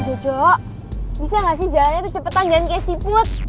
om jojo bisa ga sih jalannya tuh cepetan dan kaya siput